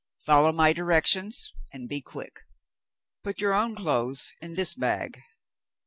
"Follow my directions, and be quick. Put your own clothes in this bag."